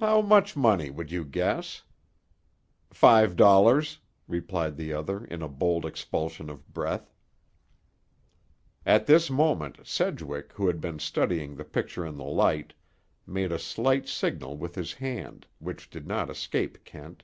"How much money, would you guess?" "Five dollars," replied the other, in a bold expulsion of breath. At this moment, Sedgwick, who had been studying the picture in the light, made a slight signal with his hand, which did not escape Kent.